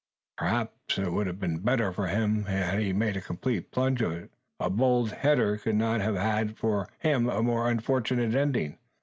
Perhaps it would have been better for him had he made a complete plunge of it. At all events, a bold "header" could not have had for him a more unfortunate ending.